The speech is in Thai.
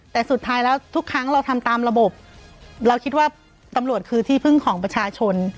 แต่สุดท้ายแล้วทุกครั้งเราทำตามระบบเราคิดว่าตำรวจคือที่พึ่งของประชาชน